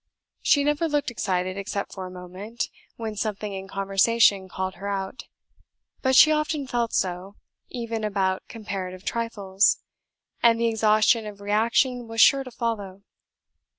She never looked excited except for a moment, when something in conversation called her out; but she often felt so, even about comparative trifles, and the exhaustion of reaction was sure to follow.